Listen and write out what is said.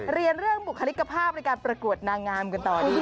เรียนเรื่องบุคลิกภาพในการประกวดนางงามกันต่อดี